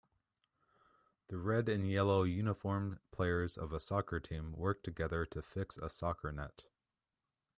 The red and yellow uniformed players of a soccer team work together to fix a soccer net.